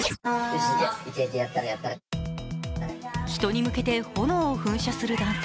人に向けて炎を噴射する男性。